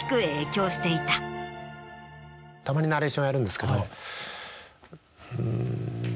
たまにナレーションやるんですけど。